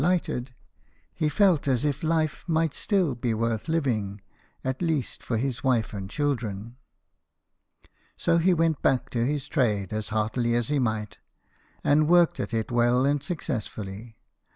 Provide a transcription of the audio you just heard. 181 lighted, he felt as if life might still be worth living, at least for his wife and children. So he went: back to his trade as heartily as he might, and worked at it well and successfully.